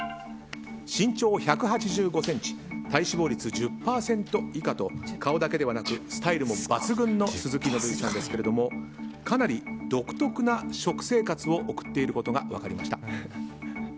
身長１８５ｃｍ体脂肪率１０％以下と顔だけではなくスタイルも抜群の鈴木伸之さんですけれどもかなり独特な食生活を送っていることが分かりました。